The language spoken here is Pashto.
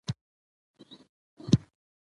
که ولوېدلې